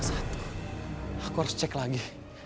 aku harus cek lagi